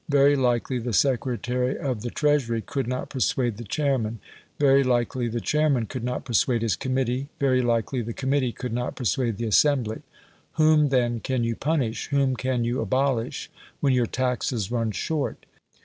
Very likely the Secretary of the Treasury could not persuade the chairman very likely the chairman could not persuade his committee very likely the committee could not persuade the assembly. Whom, then, can you punish whom can you abolish when your taxes run short?